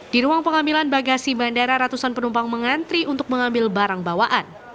di ruang pengambilan bagasi bandara ratusan penumpang mengantri untuk mengambil barang bawaan